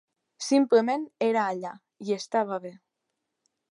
Simplement era allà, i estava bé.